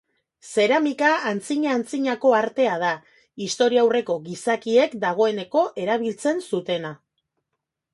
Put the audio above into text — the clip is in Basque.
Zeramika antzina-antzinako artea da, historiaurreko gizakiek dagoeneko erabiltzen zutena.